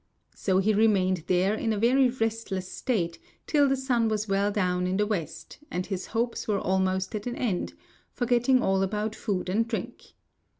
So he remained there in a very restless state till the sun was well down in the west, and his hopes were almost at an end, forgetting all about food and drink.